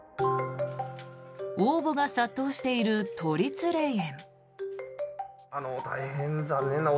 応募が殺到している都立霊園。